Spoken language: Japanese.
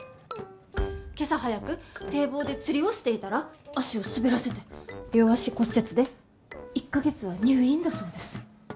今朝早く堤防で釣りをしていたら足を滑らせて両足骨折で１か月は入院だそうです。